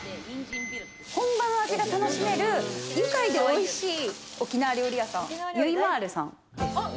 本場の味が楽しめる愉快で美味しい沖縄料理屋さん・ゆいまるさん。